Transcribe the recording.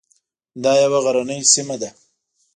دا یوه غرنۍ سیمه ده.